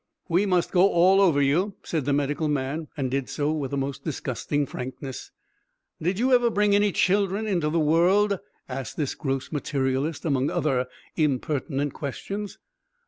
"We must go all over you," said the medical man, and did so with the most disgusting frankness. "Did you ever bring any children into the world?" asked this gross materialist among other impertinent questions.